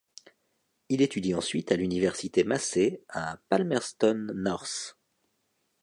Il étudie ensuite à l'université Massey à Palmerston North.